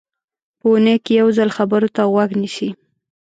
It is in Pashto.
په اوونۍ کې یو ځل خبرو ته غوږ نیسي.